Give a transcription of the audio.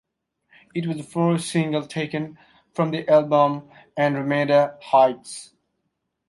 It was the first single taken from their album "Andromeda Heights".